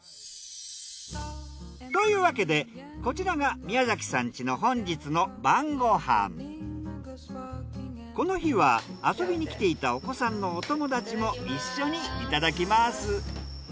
というわけでこちらがこの日は遊びに来ていたお子さんのお友達も一緒にいただきます。